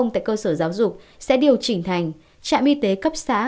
tại cơ sở giáo dục sẽ điều chỉnh thành trạm y tế cấp xã